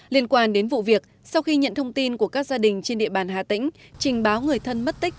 liên quan đến vụ việc sau khi nhận thông tin của các gia đình trên địa bàn hà tĩnh trình báo người thân mất tích